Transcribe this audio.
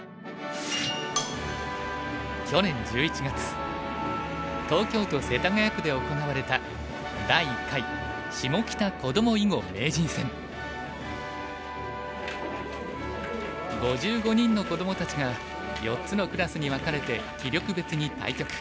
去年１１月東京都世田谷区で行われた５５人の子どもたちが４つのクラスに分かれて棋力別に対局。